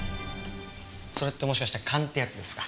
それってもしかして勘ってやつですか？